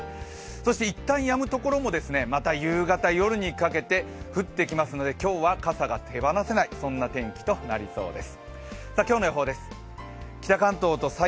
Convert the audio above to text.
そしていったんやむところもまた夕方、夜にかけて降ってきますので今日は傘が手離せない天気となりそうです。